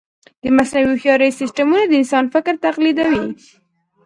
د مصنوعي هوښیارۍ سیسټمونه د انسان فکر تقلیدوي.